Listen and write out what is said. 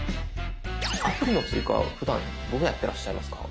アプリの追加ふだんどうやってらっしゃいますか？